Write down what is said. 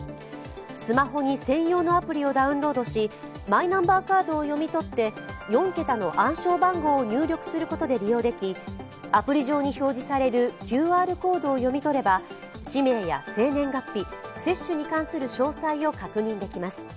スマホに専用のアプリをダウンロードし、マイナンバーカードを読み取って４桁の暗証番号を入力することで利用できアプリ上に表示されるＱＲコードを読み取れば氏名や生年月日、接種に関する詳細を確認できます。